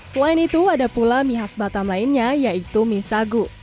selain itu ada pula mie khas batam lainnya yaitu mie sagu